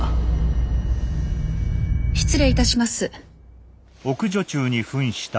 ・失礼いたします。